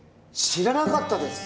知らなかったです